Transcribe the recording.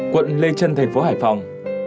quận lê trân thành phố hải phòng